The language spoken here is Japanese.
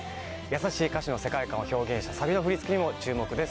優しい歌詞の世界観を表現したサビの振り付けにも、注目です。